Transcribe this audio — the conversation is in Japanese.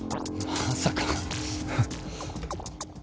まさか。